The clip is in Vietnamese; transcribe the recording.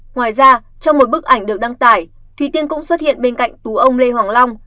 ngoài ra trong một bức ảnh được đăng tải thủy tiên cũng xuất hiện bên cạnh tú ông lê hoàng long